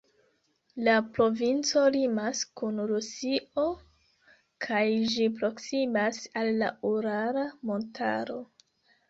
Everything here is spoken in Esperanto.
La provinco limas kun Rusio kaj ĝi proksimas al la Urala Montaro.